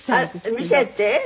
見せて！